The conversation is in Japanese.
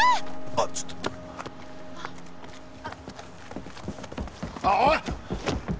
あっちょっとあっあっおい！